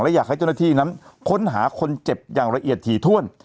และอยากให้เจ้าหน้าที่นั้นค้นหาคนเจ็บอย่างละเอียดถี่ถ้วน